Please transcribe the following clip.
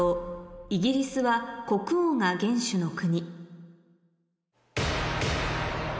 「イギリスは国王が元首の国」